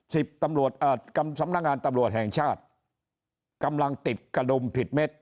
สำนักงานตำรวจแห่งชาติกำลังติดกระดมผิดเม็ด